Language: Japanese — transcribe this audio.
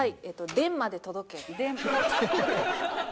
「電マで届け！」